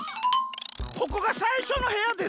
ここがさいしょのへやです。